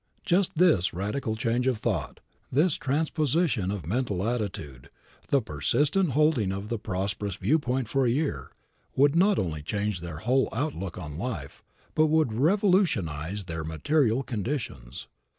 Just this radical change of thought, this transposition of mental attitude, the persistent holding of the prosperous viewpoint for a year would not only change their whole outlook on life, but would revolutionize their material conditions.